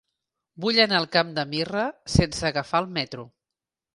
Vull anar al Camp de Mirra sense agafar el metro.